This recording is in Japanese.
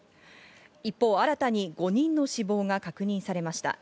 一方、新たに５人の死亡が確認されました。